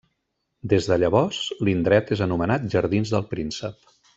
Des de llavors, l'indret és anomenat Jardins del Príncep.